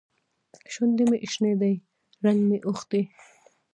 شونډې مې شنې دي؛ رنګ مې اوښتی.